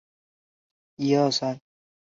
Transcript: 但李特不听。